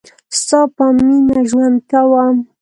ستا په میینه ژوند کوم